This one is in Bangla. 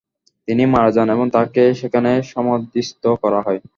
তিনি মারা যান এবং তাকে সেখানে সমাধিস্থ করা হয়।